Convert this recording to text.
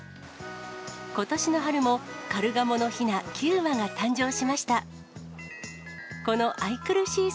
ことしの春も、カルガモのひな９羽が誕生しました。